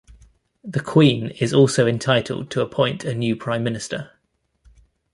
The Queen also is entitled to appoint a new Prime Minister.